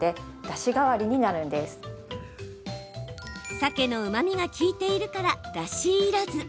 サケのうまみが利いているからだしいらず。